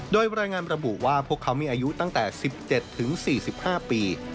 โดยรายงานระบุว่าพวกเขามีอายุตั้งแต่๑๗๔๕ปี